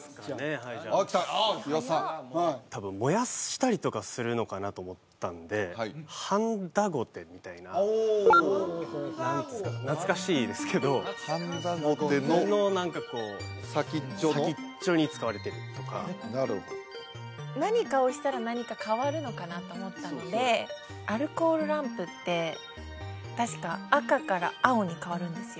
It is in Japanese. はいじゃあああ来た岩田さん多分燃やしたりとかするのかなと思ったんではんだごてみたいなおお懐かしいですけどはんだごての何かこう先っちょに使われてるとかなるほど何かをしたら何か変わるのかなと思ったのでアルコールランプって確か赤から青に変わるんですよ